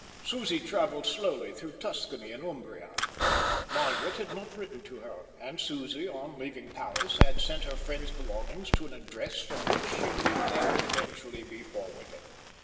Susie travelled slowly through Tuscany and Umbria. Margaret had not written to her, and Susie, on leaving Paris, had sent her friend's belongings to an address from which she knew they would eventually be forwarded.